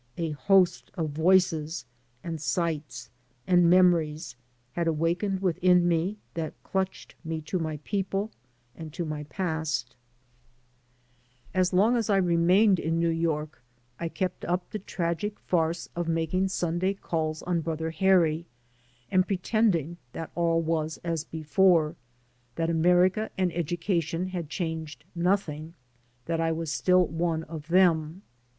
A host of voices and sights and memories had awakened within me that clutched me to my people and to my past, 264 THE ROMANCE OF READJUSTMENT As long as I remained in New York I kept up the tragic farce of making Simday calls on brother Harry and pretending that all was as before, that America and education had changed nothing, that I was still one of them.